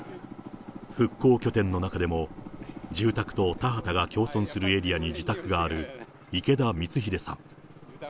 復興拠点の中でも、住宅と田畑が共存するエリアに自宅がある池田光秀さん。